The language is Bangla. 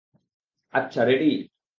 আচ্ছা, রেডি?